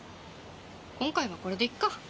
今回はこれでいっか‥